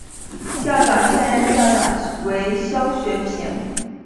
学校现任校长为肖学平。